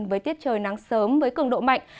với tiết trời nắng sớm với cường độ mạnh